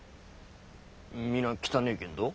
皆汚えけんど？